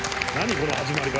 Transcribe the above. この始まり方。